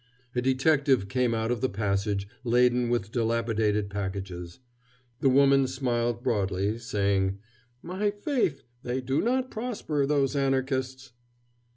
A detective came out of the passage, laden with dilapidated packages. The woman smiled broadly, saying: "My faith, they do not prosper, those Anarchists."